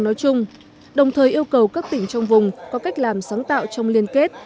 nói chung đồng thời yêu cầu các tỉnh trong vùng có cách làm sáng tạo trong liên kết